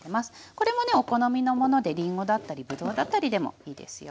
これもねお好みのものでりんごだったりぶどうだったりでもいいですよ。